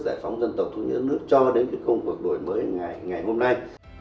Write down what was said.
giải phóng dân tộc thống nhất nước cho đến công cuộc đổi mới ngày hôm nay